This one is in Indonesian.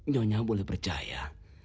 nyonya boleh percaya